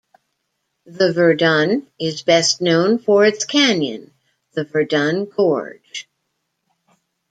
The Verdon is best known for its canyon, the Verdon Gorge.